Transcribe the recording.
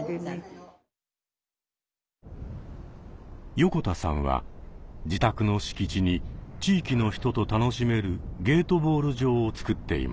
横田さんは自宅の敷地に地域の人と楽しめるゲートボール場をつくっていました。